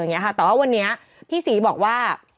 แต่ว่าวันนี้พี่ศรีบอกว่า